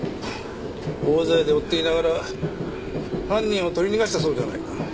大勢で追っていながら犯人を取り逃がしたそうじゃないか。